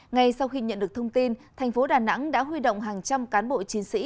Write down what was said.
ngay sau khi nhận được thông tin thành phố đà nẵng đã huy động hàng trăm cán bộ chiến sĩ